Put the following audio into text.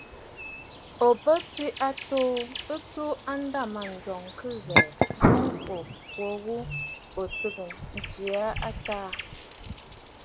Ò bə tswe a atoo ɨ tuu a ndâmanjɔŋ kɨ ghɛ̀ɛ̀ boŋ ò kwo ghu ò tɨgə̀ ntswe ghu a ntàà.